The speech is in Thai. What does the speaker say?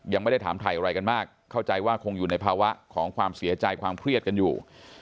ยังไม่ได้ถามถ่ายอะไรกันมากเข้าใจว่าคงอยู่ในภาวะของความเสียใจความเครียดกันอยู่